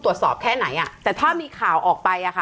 ตรวจสอบแค่ไหนอ่ะแต่ถ้ามีข่าวออกไปอ่ะค่ะ